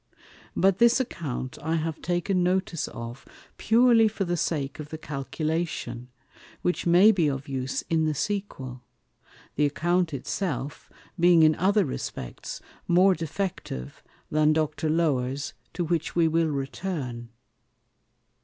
But this Account I have taken notice of purely for the sake of the Calculation, which may be of use in the Sequel; the account it self being in other respects more defective than Dr. Lower's, to which we will return.